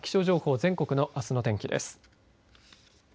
全国のあすの天気です。